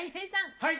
はい。